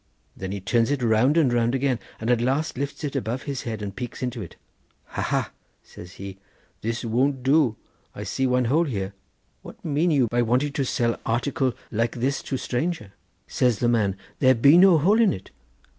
Then he turns it round and round again, and at last lifts it above his head and peaks into it. 'Ha, ha,' says he; 'this won't do; I see one hole here. What mean you by wanting to sell article like this to stranger?' Says the man, 'there be no hole in it.